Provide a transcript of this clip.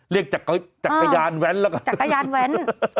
เรียกจักรยานแว้นละกัน